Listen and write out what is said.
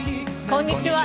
こんにちは。